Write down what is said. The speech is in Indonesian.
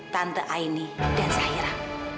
tante aini dan zahira